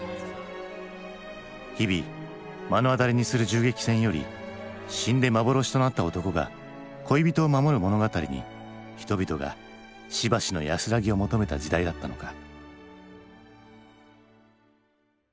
日々目の当たりにする銃撃戦より死んで幻となった男が恋人を守る物語に人々がしばしの安らぎを求めた時代だったのか。